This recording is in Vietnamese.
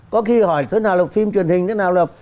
có khi hỏi thế nào là phim truyền hình thế nào là